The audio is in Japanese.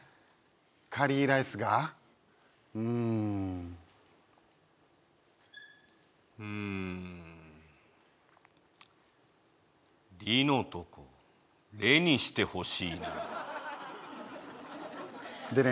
カリーライスがうーんうーん「リ」のとこ「レ」にしてほしいなでね